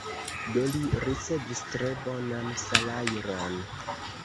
Do li ricevis tre bonan salajron.